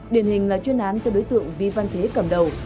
điển hình là chuyên án do đối tượng vi văn thế cầm đầu